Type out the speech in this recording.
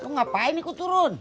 kok ngapain ini ku turun